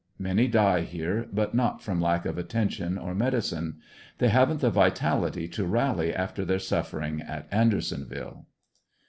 Many die here but not from lack of attention or medicine. They haven't the vitality to rally after their sufferings at Andersonville.